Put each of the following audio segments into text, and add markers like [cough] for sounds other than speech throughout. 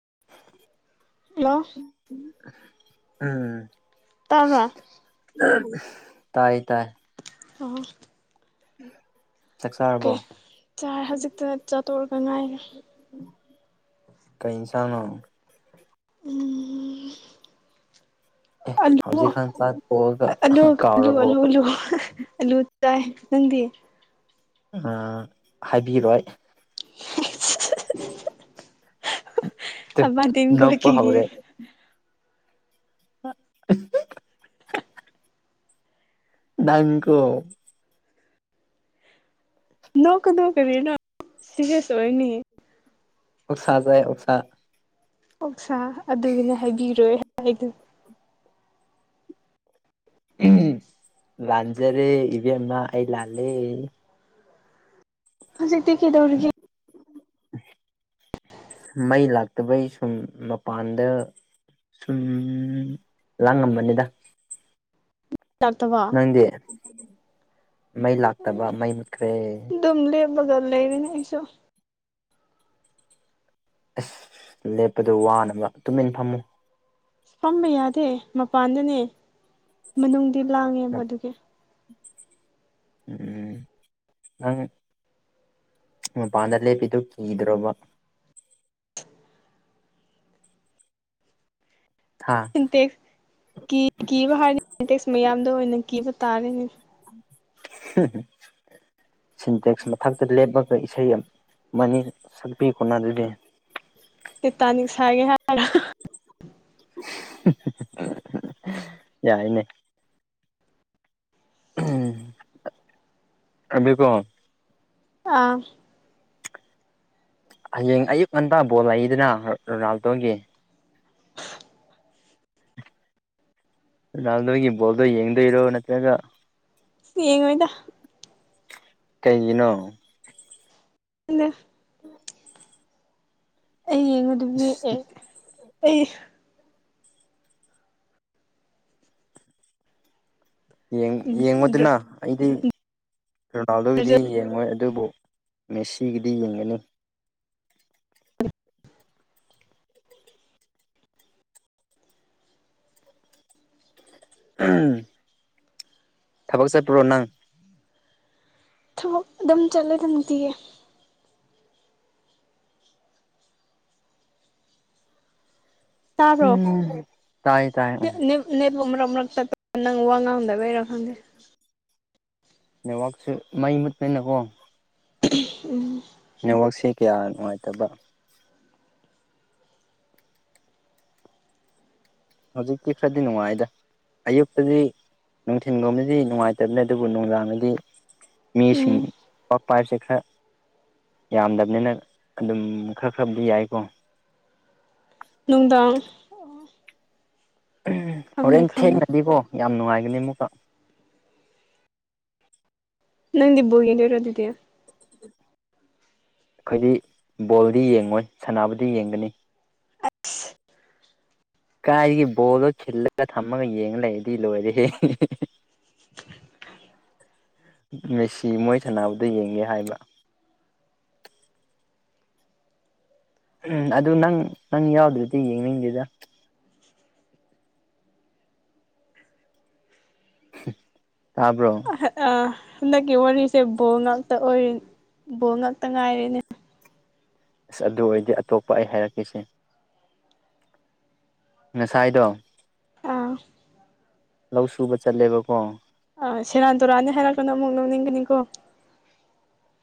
[inaudible] hello ꯎꯝ ꯇꯥꯕ꯭ꯔꯥ ꯇꯥꯏ ꯇꯥꯏ ꯑꯣ ꯎꯝ ꯀꯩ ꯆꯥꯔꯦ ꯍꯧꯖꯤꯛꯇ ꯆꯥꯛ ꯇꯣꯔꯛꯇ ꯉꯥꯏꯔꯤ ꯇꯥꯕ꯭ꯔꯣ ꯎꯝ ꯑꯦ ꯑꯂꯨ ꯍꯧꯖꯤꯛꯀꯥꯟ ꯆꯥꯛ ꯇꯣꯛꯑꯒ ꯑꯂꯨ ꯑꯂꯨ ꯀꯥꯎꯔꯕꯣ ꯑꯂꯨ ꯑꯂꯨ ꯑꯂꯨ ꯆꯥꯏ ꯅꯪꯗꯤ ꯑꯥ ꯍꯥꯏꯕꯤꯔꯣꯏ [unintelligible] ꯇꯨ ꯑꯃ ꯗꯤꯟ ꯈꯣꯏ ꯅꯣꯛꯄ ꯀꯤꯌꯦ ꯍꯧꯔꯦ [inaudible] ꯅꯪꯀꯣ ꯅꯣꯛ ꯀꯅꯨ ꯀꯔꯤꯅꯣ ꯁꯤꯔꯤꯁ ꯑꯣꯏꯅꯤ ꯁꯥꯖ ꯁꯥ ꯁꯥ ꯑꯗꯨꯒꯤꯅꯦ ꯍꯥꯏꯕꯤꯔꯣꯏ ꯍꯥꯏꯗꯣ ꯂꯥꯟꯖꯔꯦ ꯏꯕꯦꯝꯃꯥ ꯑꯩ ꯂꯥꯂꯦ ꯍꯧꯖꯤꯛꯇꯤ ꯀꯩꯗꯧꯔꯤꯒꯦ [inaudible] ꯃꯩ ꯂꯥꯛꯇꯕꯩ ꯁꯨꯝ ꯃꯄꯥꯟꯗ ꯎꯝ ꯂꯉꯝꯕꯅꯤꯗ ꯂꯥꯛꯇꯕ ꯅꯪꯗꯤ ꯃꯩ ꯂꯥꯛꯇꯕ ꯃꯩ ꯃꯨꯠꯈ꯭ꯔꯦ ꯗꯨꯝ ꯂꯦꯞꯂꯒ ꯂꯩꯔꯤꯌꯦ ꯑꯩꯁꯨ ꯑꯁ ꯂꯦꯞꯄꯗꯣ ꯋꯥꯅꯕ ꯇꯨꯃꯤꯟ ꯐꯝꯃꯨ ꯐꯝꯕ ꯌꯥꯗꯦ ꯃꯄꯥꯟꯗꯅꯦ ꯃꯅꯨꯡꯗꯤ ꯂꯥꯡꯉꯦꯕ ꯑꯗꯨꯒꯤ ꯎꯝ ꯅꯪ ꯃꯄꯥꯟꯗ ꯂꯦꯞꯄꯤꯗꯨ ꯀꯤꯗ꯭ꯔꯣꯕ ꯍꯥ ꯁꯤꯟꯇꯦꯛꯁ ꯀꯤ ꯀꯤꯕ ꯍꯥꯏꯔꯅꯤ ꯁꯤꯟꯇꯦꯛꯁ ꯃꯌꯥꯝꯗ ꯑꯣꯏꯅ ꯀꯤꯕ ꯇꯥꯔꯅꯤ ꯁꯤꯟꯇꯦꯛꯁ ꯃꯊꯛꯇ ꯂꯦꯞꯂꯒ ꯏꯁꯩ ꯑꯃ ꯃꯅꯤ ꯁꯛꯄꯤ ꯀꯣꯅ ꯑꯗꯨꯗꯤ ꯇꯤꯇꯅꯤꯛ ꯁꯥꯒꯦ ꯍꯥꯏꯔꯣ ꯌꯥꯏꯅꯦ ꯎꯝ ꯑꯗꯨ ꯀꯣ ꯑꯥ ꯍꯌꯦꯡ ꯑꯌꯨꯛ ꯉꯟꯇꯥ ꯕꯣꯜ ꯂꯩꯗꯅ ꯔꯣꯅꯥꯜꯗꯣꯒꯤ ꯔꯣꯅꯥꯜ ꯗꯣ ꯕꯣꯜꯗꯣ ꯌꯦꯡꯗꯣꯏꯔ ꯅꯠꯇ꯭ꯔꯒ ꯌꯦꯉꯣꯏꯗ ꯀꯩꯒꯤꯅꯣ [unintelligible] [inaudible] ꯑꯩ ꯌꯦꯡꯉꯨꯗꯕꯤ ꯑꯦ ꯑꯩ ꯌꯦꯡ ꯌꯦꯡꯕꯗꯨꯅ ꯑꯩꯗꯤ ꯔꯣꯅꯥꯜꯗꯣꯒꯤꯗꯤ ꯌꯦꯡꯉꯣꯏ ꯑꯗꯨꯕꯨ ꯃꯦꯁꯤꯒꯤꯗꯤ ꯌꯦꯡꯒꯅꯤ ꯑꯍꯝ ꯊꯕꯛ ꯆꯠꯄ꯭ꯔꯣ ꯅꯪ ꯊꯕꯛ ꯑꯗꯨꯝ ꯆꯠꯂꯦꯗ ꯅꯨꯡꯇꯤꯒꯤ ꯇꯥꯕ꯭ꯔꯣ ꯇꯥꯏ ꯇꯥꯏ ꯎꯝ ꯅꯦꯠ ꯅꯦꯠ ꯨꯝ ꯃꯔꯛ ꯃꯔꯛ ꯇꯠ ꯅꯪ ꯋꯥ ꯉꯥꯡꯗꯕꯩꯔ ꯈꯪꯗꯦ ꯅꯦꯠꯋꯥꯛꯁꯨ ꯃꯩ ꯃꯨꯠꯄꯅꯤꯅꯀꯣ ꯎꯝ ꯅꯦꯠꯋꯥꯛꯁꯦ ꯀꯌꯥ ꯅꯨꯡꯉꯥꯏꯇꯕ ꯍꯧꯖꯤꯛꯇꯤ ꯈꯔꯗꯤ ꯅꯨꯡꯉꯥꯏꯗ ꯑꯌꯨꯛꯇꯗꯤ ꯅꯨꯡꯊꯤꯜꯒꯨꯝꯕꯗꯤ ꯅꯨꯡꯉꯥꯏꯇꯕꯅꯤ ꯑꯗꯨꯕꯨ ꯅꯨꯡꯗꯥꯡꯗꯗꯤ ꯃꯤꯁꯤꯡ ꯎꯝ ꯄꯥꯛ ꯄꯥꯏꯁꯦ ꯈꯔ ꯌꯥꯝꯗꯕꯅꯤꯅ ꯑꯗꯨꯝ ꯈꯔ ꯈꯔꯕꯨꯗꯤ ꯌꯥꯏꯀꯣ ꯅꯨꯡꯗꯥꯡ ꯑꯣ ꯍꯣꯔꯦꯟ ꯊꯦꯡꯅꯗꯤꯕꯣ ꯌꯥꯝ ꯅꯨꯡꯉꯥꯏꯒꯅꯤ ꯑꯃꯨꯛꯀ ꯅꯪꯗꯤ ꯕꯣꯜ ꯌꯦꯡꯗꯣꯏꯔ ꯗꯨꯗꯤ ꯑꯩꯈꯣꯏꯗꯤ ꯕꯣꯜꯗꯤ ꯌꯦꯡꯉꯣꯏ ꯁꯥꯟꯅꯕꯗꯤ ꯌꯦꯡꯒꯅꯤ ꯀꯥꯏꯗꯒꯤ ꯕꯣꯜꯗꯣ ꯈꯤꯜꯂꯒ ꯊꯝꯃꯒ ꯌꯦꯡꯉ ꯂꯩꯗꯤ ꯂꯣꯏꯔꯦꯍꯦ ꯍꯦ ꯍꯦ [inaudible] ꯃꯦꯁꯤ ꯃꯣꯏ ꯁꯥꯟꯅꯕꯗꯣ ꯌꯦꯡꯒꯦ ꯍꯥꯏꯕ ꯎꯝ ꯑꯗꯨ ꯅꯪ ꯅꯪ ꯌꯥꯎꯗ꯭ꯔꯗꯤ ꯌꯦꯡꯅꯤꯡꯗꯦꯗ ꯍꯨꯝ ꯑꯍ ꯑꯥ ꯍꯟꯗꯛꯀꯤ ꯋꯥꯔꯤꯁꯦ ꯕꯣ ꯉꯥꯛꯇ ꯑꯣꯏꯔꯤ ꯕꯣꯜ ꯉꯥꯛꯇ ꯉꯥꯏꯔꯦꯅꯦ ꯑꯁ ꯑꯗꯨ ꯑꯣꯏꯔꯗꯤ ꯑꯇꯣꯞꯄ ꯑꯩ ꯍꯥꯏꯔꯛꯀꯦꯁꯦ ꯉꯁꯥꯏꯗꯣ ꯑꯥ ꯂꯧ ꯁꯨꯕ ꯆꯠꯂꯦꯕꯀꯣ ꯑꯥ ꯁꯦꯔꯥꯟ ꯇꯨꯔꯥꯟꯗꯤ ꯏꯔꯛꯀꯅꯣ ꯑꯃꯨꯛ ꯅꯣꯛꯅꯤꯡꯒꯅꯤꯀꯣ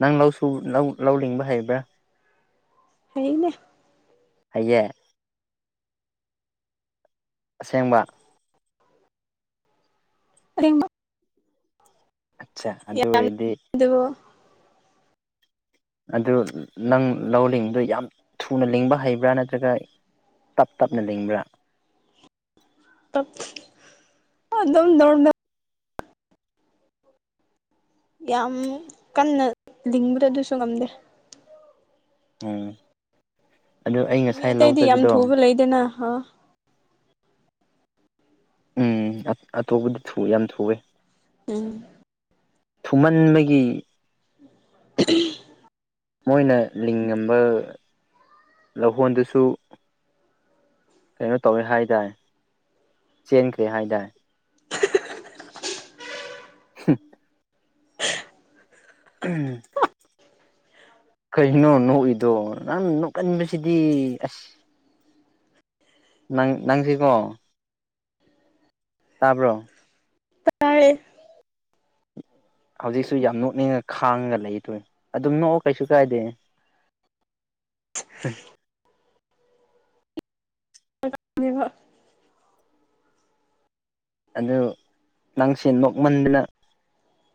ꯅꯪ ꯂꯧꯁꯨ ꯂꯧ ꯂꯧ ꯂꯤꯡꯕ ꯍꯩꯕ꯭ꯔꯥ ꯍꯩꯅꯦ ꯍꯩꯌꯦ ꯑꯁꯦꯡꯕ ꯑꯁꯦꯡꯕ ꯑꯠꯁꯥ ꯑꯗꯨ ꯑꯣꯏꯔꯗꯤ ꯑꯗꯨꯕꯨ ꯑꯗꯨ ꯅꯪ ꯂꯧ ꯂꯤꯡꯕꯗꯣ ꯌꯥꯝ ꯊꯨꯅ ꯂꯤꯡꯕ ꯍꯩꯕ꯭ꯔꯥ ꯅꯠꯇ꯭ꯔꯒ ꯇꯞ ꯇꯞꯅ ꯂꯤꯡꯕ꯭ꯔꯥ [unintelligible] ꯑꯗꯨꯝ ꯅꯣꯔꯃꯦꯜ [inaudible] ꯌꯥꯝ ꯀꯟꯅ ꯂꯤꯡꯕꯗꯣ ꯑꯗꯨꯁꯨ ꯉꯝꯗꯦ ꯎꯝ ꯑꯗꯨ ꯑꯩ ꯃꯤ ꯉꯁꯥꯏ ꯂꯧ ꯑꯇꯩꯗꯤ ꯌꯥꯝ ꯆꯠꯄꯗꯣ ꯊꯨꯕ ꯂꯩꯗꯅ ꯍꯥ ꯎꯝ ꯑꯠ ꯑꯇꯣꯞꯄꯗꯣ ꯊꯨꯋꯦ ꯌꯥꯝ ꯊꯨꯋꯧ ꯎꯝ ꯊꯨꯃꯟꯕꯒꯤ [unintelligible] ꯃꯣꯏꯅ ꯂꯤꯡꯉꯝꯕ ꯂꯧꯍꯣꯟꯗꯨꯁꯨ ꯀꯩꯅꯣ ꯇꯧꯋꯦ ꯍꯥꯏ ꯗꯥꯏ ꯆꯦꯟꯈ꯭ꯔꯦ ꯍꯥꯏ ꯗꯥꯏ ꯍꯨ [unintelligible] ꯎꯝ ꯀꯔꯤꯅꯣ ꯅꯣꯛꯏꯗꯣ ꯅꯪ ꯅꯣꯛꯀꯟꯕꯁꯤꯗꯤ ꯑꯁ ꯅꯪ ꯅꯪꯁꯤꯀꯣ ꯇꯥꯕ꯭ꯔꯣ ꯇꯥꯏꯌꯦ ꯍꯧꯖꯤꯛꯁꯨ ꯌꯥꯝ ꯅꯣꯛꯅꯤꯡꯉ ꯈꯥꯡꯉ ꯂꯩꯗꯣꯏ ꯑꯗꯨꯝ ꯅꯣꯛꯑꯣ ꯀꯩꯁꯨ ꯀꯥꯏꯗꯦ ꯍꯦ [unintelligible] ꯑꯗꯨ ꯅꯪꯁꯦ ꯅꯣꯛꯃꯟꯗꯅ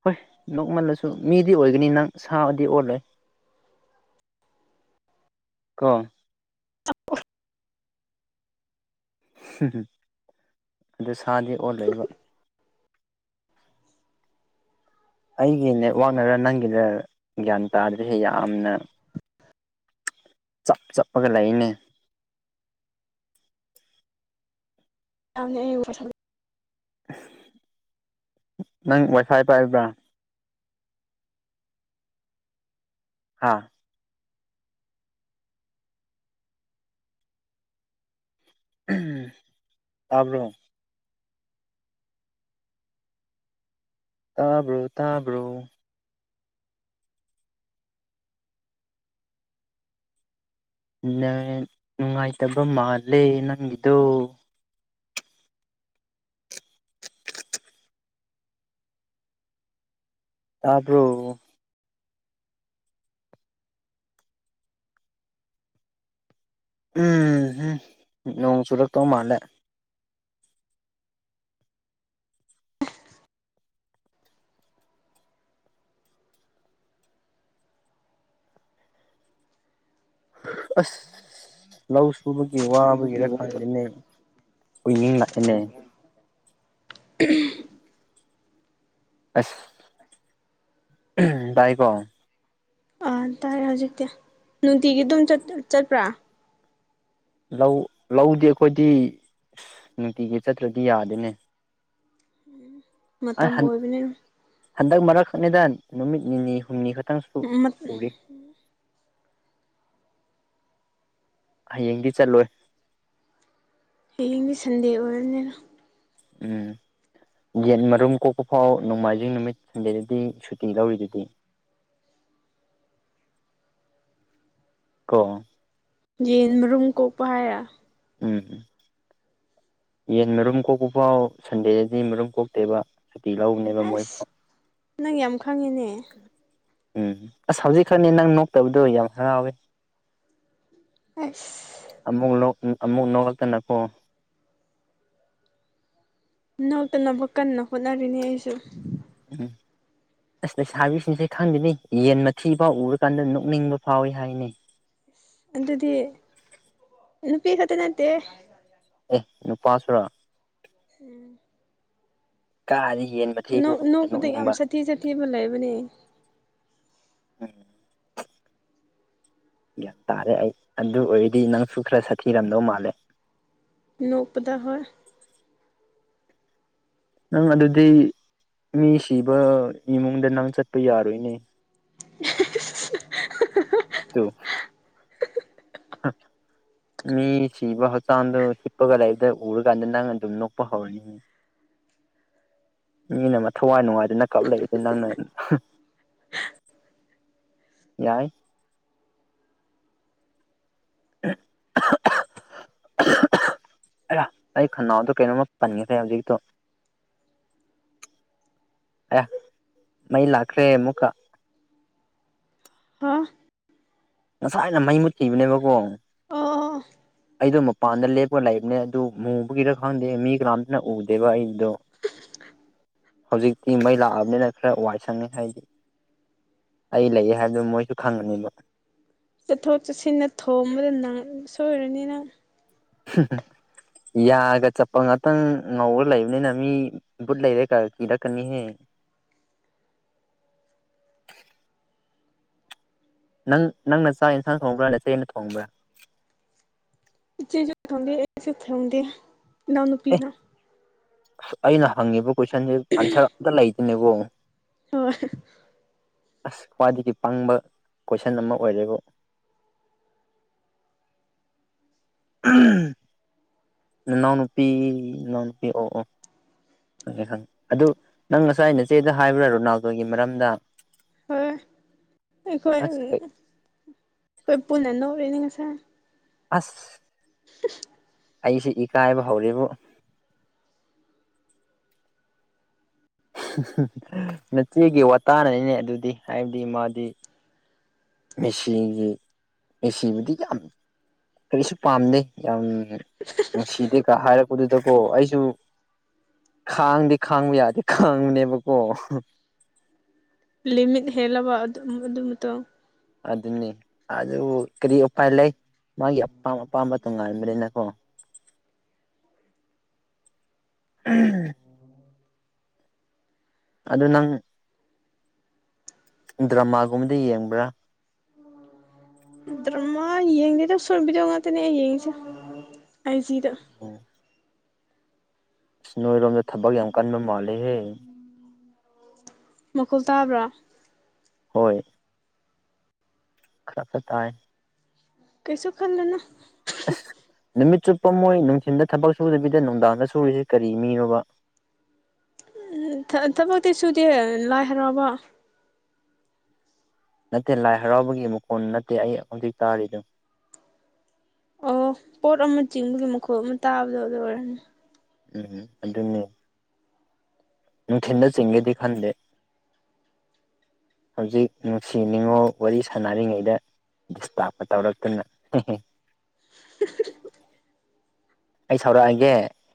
ꯍꯣꯏ ꯅꯣꯛꯃꯜꯂꯁꯨ ꯃꯤꯗꯤ ꯑꯣꯏꯒꯅꯤ ꯅꯪ ꯁꯥꯗꯤ ꯑꯣꯜꯂꯣꯏ ꯀꯣ [unintelligible] ꯍꯨ ꯍꯨ ꯑꯗꯨ ꯁꯥꯗꯤ ꯑꯣꯜꯂꯣꯏꯕ ꯑꯩꯒꯤ ꯅꯦꯠꯋꯥꯛꯅꯔꯥ ꯅꯪꯒꯤꯅꯔ ꯒ꯭ꯌꯥꯟ ꯇꯥꯗ꯭ꯔꯦꯍꯦ ꯌꯥꯝꯅ ꯆꯞ ꯆꯞꯄꯒ ꯂꯩꯌꯦꯅꯦ [unintelligible] ꯅꯪ ꯋꯥꯏꯐꯥꯏ ꯄꯥꯏꯕ꯭ꯔ ꯍꯥꯥ ꯎꯍꯝ ꯇꯥꯕ꯭ꯔꯣ ꯇꯥꯕ꯭ꯔꯣ ꯇꯥꯕ꯭ꯔꯣ ꯅꯪ ꯅꯨꯡꯉꯥꯏꯇꯕ ꯃꯥꯜꯂꯦ ꯅꯪꯒꯤꯗꯣ ꯇꯔꯕ꯭ꯔꯣ ꯎꯝꯍꯨꯝ ꯅꯣꯡ ꯆꯨꯔꯛꯇꯧ ꯃꯥꯜꯂꯦ ꯑꯁ ꯂꯧ ꯁꯨꯕꯒꯤ ꯋꯥꯕꯒꯤꯔ ꯈꯪꯗꯦꯅꯦ ꯎꯏꯅꯤꯡ ꯂꯥꯛꯑꯦꯅꯦ [unintelligible] ꯑꯁ ꯎꯍꯝ ꯇꯥꯏꯀꯣ ꯑꯥ ꯇꯥꯏ ꯍꯧꯖꯤꯛꯇꯤ ꯅꯨꯡꯇꯤꯒꯤ ꯑꯗꯨꯝ ꯆꯠ ꯆꯠꯄ꯭ꯔꯥ ꯂꯧ ꯂꯧꯗꯤ ꯑꯩꯈꯣꯏꯗꯤ ꯑꯁ ꯅꯨꯡꯇꯤꯒꯤ ꯆꯠꯇ꯭ꯔꯗꯤ ꯌꯥꯗꯦꯅꯦ ꯑꯩ ꯃꯇꯝ ꯑꯣꯏꯕꯅꯤꯅ ꯍꯟꯗꯛ ꯃꯔꯛꯈꯛꯅꯦꯗ ꯅꯨꯃꯤꯠ ꯅꯤꯅꯤ ꯍꯨꯝꯅꯤ ꯈꯛꯇꯪ ꯁꯨ ꯁꯨꯔꯤ ꯍꯌꯦꯡꯗꯤ ꯆꯠꯂꯣꯏ ꯍꯌꯦꯡꯗꯤ ꯁꯟꯗꯦ ꯑꯣꯏꯔꯅꯤꯅ ꯎꯝ ꯌꯦꯟ ꯃꯔꯨꯝ ꯀꯣꯛꯄ ꯐꯥꯎ ꯅꯣꯡꯃꯥꯏꯖꯤꯡ ꯅꯨꯃꯤꯠ ꯁꯟꯗꯦꯗꯗꯤ ꯁꯨꯇꯤ ꯂꯧꯔꯤꯗꯨꯗꯤ [inaudible] ꯀꯣ ꯌꯦꯟ ꯃꯔꯨꯝ ꯀꯣꯛꯄ ꯍꯥꯏꯔꯥ ꯎꯝ ꯎꯝ ꯌꯦꯟ ꯃꯔꯨꯝ ꯀꯣꯛꯄ ꯐꯥꯎ ꯁꯟꯗꯦꯗꯗꯤ ꯃꯔꯨꯝ ꯀꯣꯛꯇꯦꯕ ꯁꯨꯇꯤ ꯂꯧꯕꯅꯦꯕ ꯃꯣꯏ ꯑꯁ ꯅꯪ ꯌꯥꯝ ꯈꯪꯉꯤꯅꯦ ꯎꯝ ꯑꯁ ꯍꯧꯖꯤꯛ ꯈꯛꯅꯤ ꯅꯪ ꯅꯣꯛꯇꯕꯗꯣ ꯌꯥꯝ ꯍꯔꯥꯎꯋꯦ ꯑꯦꯁ ꯎꯝ ꯑꯃꯨꯛ ꯅꯣꯛꯂꯛꯇꯅꯀꯣ ꯅꯣꯛꯇꯅꯕ ꯀꯟꯅ ꯍꯣꯠꯅꯔꯤꯅꯦ ꯑꯩꯁꯨ ꯎꯝ ꯑꯁ ꯂꯩꯁꯥꯕꯤꯁꯤꯡꯁꯦ ꯈꯪꯗꯦꯅꯤ ꯌꯦꯟ ꯃꯊꯤ ꯐꯥꯎ ꯎꯔꯀꯥꯟꯗ ꯅꯣꯛꯅꯤꯡꯕ ꯐꯥꯎꯋꯤ ꯍꯥꯏꯅꯦ ꯑꯗꯨꯗꯤ ꯅꯨꯄꯤ ꯈꯛꯇ ꯅꯠꯇꯦ ꯑꯦ ꯅꯨꯄꯥꯁꯨꯔꯣ ꯎꯝ ꯀꯥꯔꯤ ꯅꯣꯛ ꯅꯣꯛꯄꯗ ꯌꯥꯝ ꯁꯥꯊꯤ ꯁꯥꯊꯤꯕ ꯂꯩꯕꯅꯦ ꯎꯝ ꯒ꯭ꯌꯥꯟ ꯇꯥꯔꯦ ꯑꯩ ꯑꯗꯨ ꯑꯣꯏꯔꯗꯤ ꯅꯪꯁꯨ ꯈꯔ ꯁꯥꯊꯤꯔꯝꯗꯧ ꯃꯥꯜꯂꯦ ꯅꯣꯛꯄꯗ ꯍꯣꯏ ꯅꯪ ꯑꯗꯨꯗꯤ ꯃꯤ ꯁꯤꯕ ꯏꯃꯨꯡꯗ ꯅꯪ ꯆꯠꯄ ꯌꯥꯔꯣꯏꯅꯦ ꯇꯨ [unintelligible] ꯃꯤ ꯁꯤꯕ ꯍꯛꯆꯥꯡꯗꯣ ꯍꯤꯞꯄꯒ ꯂꯩꯕꯗ ꯎꯔꯀꯥꯟꯗ ꯅꯪ ꯑꯗꯨꯝ ꯅꯣꯛꯄ ꯍꯧꯔꯅꯤ [inaudible] ꯃꯤꯅ ꯊꯋꯥꯏ ꯅꯨꯡꯉꯥꯏꯗꯅ ꯀꯞꯂꯛꯏꯗ ꯅꯪꯅ ꯍꯨꯡ ꯌꯥꯏ [unintelligible] [inaudible] ꯑꯌꯥ ꯑꯩ ꯈꯅꯥꯎꯗ ꯀꯩꯅꯣꯝꯃ ꯄꯟꯒ꯭ꯔꯦ ꯍꯧꯖꯤꯛꯀꯤꯗꯣ ꯑꯌꯥ ꯃꯩ ꯂꯥꯛꯈ꯭ꯔꯦ ꯑꯃꯨꯛꯀ ꯍꯝ ꯉꯁꯥꯏꯅ ꯃꯩ ꯃꯨꯠꯈꯤꯕꯅꯦꯕꯀꯣ ꯑꯣ ꯑꯩꯗꯣ ꯃꯄꯥꯟꯗ ꯂꯦꯞꯄꯒ ꯂꯥꯏꯔꯤꯕꯅꯦ ꯑꯗꯨ ꯃꯨꯕꯒꯤꯔ ꯈꯪꯗꯦ ꯃꯤ ꯀꯅꯥꯝꯇꯅ ꯎꯗꯦꯕ ꯑꯩꯗꯣ [inaudible] ꯍꯧꯖꯤꯛꯇꯤ ꯃꯩ ꯂꯥꯛꯑꯕꯅꯤꯅ ꯈꯔ ꯋꯥꯏ ꯁꯪꯉꯤ ꯑꯩꯗꯤ ꯑꯩ ꯂꯩꯌꯦ ꯍꯥꯏꯕꯗꯣ ꯃꯣꯏꯁꯨ ꯈꯪꯉꯅꯤꯕ ꯆꯠꯊꯣꯛ ꯆꯠꯁꯤꯟꯗ ꯊꯣꯝꯕꯗ ꯅꯪ ꯁꯣꯏꯔꯅꯤꯅꯪ [inaudible] ꯌꯥꯒ ꯆꯠꯄ ꯉꯥꯛꯇꯪ ꯉꯧꯔ ꯂꯩꯕꯅꯤꯅ ꯃꯤ ꯕꯨꯠ ꯂꯩꯔꯦ ꯀ ꯀꯤꯔꯛꯀꯅꯤꯍꯦ [inaudible] ꯅꯪ ꯅꯪꯅ ꯆꯥꯛ ꯏꯟꯁꯥꯡ ꯊꯣꯡꯕ꯭ꯔꯥ ꯅꯆꯦꯅ ꯊꯣꯡꯕ꯭ꯔꯥ ꯏꯆꯦ ꯁꯨ ꯊꯣꯡꯗꯦ ꯑꯩꯁꯨ ꯊꯣꯡꯗꯦ ꯑꯦ ꯏꯅꯎꯅꯨꯄꯤꯅ ꯑꯩꯅ ꯍꯪꯉꯤꯕ ꯀꯣꯏꯁꯟꯁꯤ ꯑꯟꯁꯔ ꯑꯝꯇ ꯂꯩꯇꯦꯅꯦꯀꯣ ꯍꯣꯏ ꯑꯁ ꯈ꯭ꯋꯥꯏꯗꯒꯤ ꯄꯪꯕ ꯀꯣꯏꯁꯟ ꯑꯃ ꯑꯣꯏꯔꯦꯕꯨ [inaudible] ꯅꯥꯅꯎ ꯅꯨꯄꯤ ꯅꯥꯅꯎ ꯅꯨꯨꯄꯤ ꯑꯣ ꯑꯣ ꯈꯪꯉꯦ ꯈꯪꯉꯦ ꯑꯗꯨ ꯅꯪ ꯉꯁꯥꯏ ꯅꯆꯦꯗ ꯍꯥꯏꯕ꯭ꯔꯥ ꯔꯣꯅꯥꯜꯗꯣꯒꯤ ꯃꯔꯝꯗ ꯍꯣꯏ ꯑꯈꯣꯏ ꯑꯁ ꯑꯈꯣꯏ ꯄꯨꯟꯅ ꯅꯣꯏꯅꯤ ꯉꯁꯥꯏ ꯑꯝ ꯑꯁ ꯑꯩꯁꯦ ꯏꯀꯥꯏꯕ ꯍꯧꯔꯦꯕꯨ ꯅꯆꯦꯒꯤ ꯋꯥꯇꯅꯅꯤꯅꯦ ꯑꯗꯨꯗꯤ ꯍꯥꯏꯕꯗꯤ ꯃꯥꯗꯤ ꯃꯦꯁꯤꯒꯤ ꯃꯦꯁꯤꯕꯨꯗꯤ ꯌꯥꯝ ꯀꯩꯁꯨ ꯄꯥꯝꯗꯦ ꯌꯥꯝ ꯅꯨꯡꯁꯤꯗꯦꯒ ꯍꯥꯏꯔꯛꯄꯗꯨꯗꯀꯣ ꯑꯩꯁꯨ ꯈꯥꯡꯗꯤ ꯈꯥꯡꯕ ꯌꯥꯗꯦ ꯈꯥꯡꯕꯅꯦꯕꯀꯣ ꯂꯤꯃꯤꯠ ꯍꯦꯜꯂꯕ ꯑꯗꯨ ꯑꯗꯨ ꯃꯇꯣ ꯑꯗꯨꯅꯤ ꯑꯗꯨ ꯀꯔꯤ ꯎꯄꯥꯏ ꯂꯩ ꯃꯥꯒꯤ ꯑꯄꯥꯝ ꯑꯄꯥꯝꯕ ꯇꯣꯡꯉꯥꯟꯗ꯭ꯔꯦꯅꯀꯣ [inaudible] ꯑꯗꯨ ꯅꯪ ꯗ꯭ꯔꯃꯥꯒꯨꯝꯕꯗ ꯌꯦꯡꯕ꯭ꯔꯥ ꯗꯨꯃꯥꯏ ꯌꯦꯡꯗꯦꯗ ꯁꯔꯣꯠ ꯕꯤꯗꯤꯑꯣꯉꯥꯇꯅꯤ ꯑꯩꯅ ꯌꯦꯡꯕꯖꯦ ꯑꯩ [unintelligible] ꯎꯝ ꯅꯣꯏꯔꯣꯝꯗ ꯊꯕꯛ ꯌꯥꯝ ꯀꯟꯕ ꯃꯥꯂꯦꯍꯦ ꯃꯈꯣꯜ ꯇꯥꯕ꯭ꯔꯥ ꯍꯣꯏ ꯈꯔ ꯈꯔ ꯇꯥꯏ ꯀꯩꯁꯨ ꯈꯜꯂꯨꯅꯣ ꯑꯁ ꯅꯨꯃꯤꯠ ꯆꯨꯞꯄ ꯃꯣꯏ ꯅꯨꯡꯊꯤꯟꯗ ꯊꯕꯛ ꯁꯨꯗꯕꯤꯗ ꯅꯨꯡꯗꯥꯡꯗ ꯁꯨꯔꯤꯁꯤ ꯀꯔꯤ ꯃꯤꯅꯣꯕ ꯎꯝ ꯊꯕꯛꯇꯤ ꯁꯨꯗꯦ ꯂꯥꯏ ꯍꯔꯥꯎꯕ ꯅꯠꯇꯦ ꯂꯥꯏ ꯍꯔꯥꯎꯕꯒꯤ ꯃꯈꯣꯟ ꯅꯠꯇꯦ ꯑꯩ ꯍꯧꯖꯤꯛ ꯇꯥꯔꯤꯗꯨ ꯑꯣ ꯄꯣꯠ ꯑꯃ ꯆꯤꯡꯕꯒꯤ ꯃꯈꯣꯜ ꯑꯃ ꯇꯥꯕꯗꯣ ꯑꯗꯨ ꯑꯣꯏꯔꯝꯅꯤ ꯎꯝ ꯑꯗꯨꯅꯦ ꯅꯨꯡꯊꯤꯟꯗ ꯆꯤꯡꯒꯦꯗꯤ ꯈꯟꯗꯦ [inaudible] ꯍꯧꯖꯤꯛ ꯅꯨꯡꯁꯤ ꯅꯤꯉꯣꯜ ꯋꯥꯔꯤ ꯁꯥꯟꯅꯔꯤꯉꯩꯗ ꯗꯤꯁꯇꯥꯥꯞꯄ ꯇꯧꯔꯛꯇꯅ ꯍꯦ ꯍꯦ ꯑꯩ ꯁꯥꯎꯔꯛꯑꯒꯦ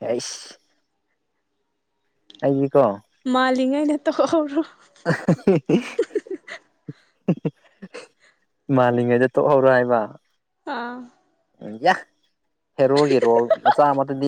ꯑꯩꯁ ꯑꯩ ꯀꯣ ꯃꯥꯜꯂꯤꯉꯩꯗ ꯇꯣꯛꯍꯧꯔꯣ ꯑꯍ ꯍꯤ ꯍꯤ ꯃꯥꯜꯂꯤꯉꯩꯗ ꯇꯣꯛꯍꯧꯔꯣ ꯍꯥꯏꯕ ꯑꯥ ꯎꯝ ꯌꯥ ꯍꯦꯔꯣꯒꯤ ꯔꯣꯜ ꯃꯆꯥ ꯑꯃꯇꯗꯤ